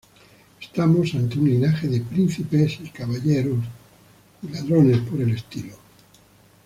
Estamos ante un linaje de príncipes y caballeros.